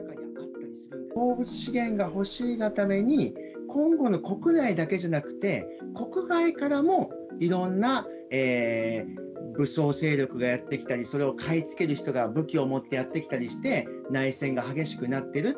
鉱物資源が欲しいがために、コンゴの国内だけじゃなくて、国外からもいろんな武装勢力がやって来たり、それを買い付ける人が武器を持ってやって来たりして、内戦が激しくなっている。